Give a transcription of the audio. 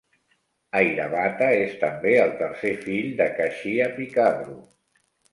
Airavata és també el tercer fill de Kashyap i Kadru.